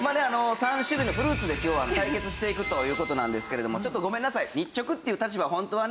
３種類のフルーツで今日は対決していくという事なんですけれどもちょっとごめんなさい。